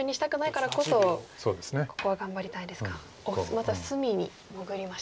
また隅に潜りました。